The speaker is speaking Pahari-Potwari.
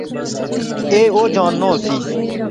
ایہہ او جاننا ہوسی